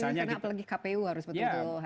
ini karena apalagi kpu harus betul betul hati hati